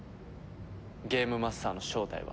ゲームマスターの正体は。